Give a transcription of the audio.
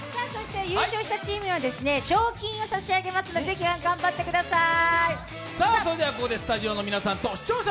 優勝したチームには賞金を差し上げますのでぜひ頑張ってください。